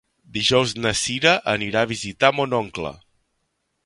Dijous na Cira anirà a visitar mon oncle.